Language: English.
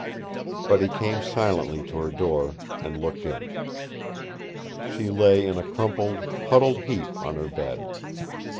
But he came silently to her door and looked in. She lay in a crumpled, huddled heap on her bed.